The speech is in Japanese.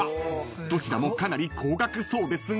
［どちらもかなり高額そうですが］